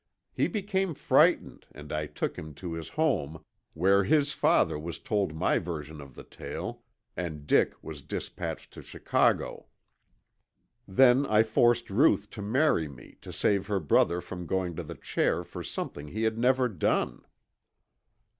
He became frightened and I took him to his home, where his father was told my version of the tale, and Dick was dispatched to Chicago. Then I forced Ruth to marry me to save her brother from going to the chair for something he had never done!"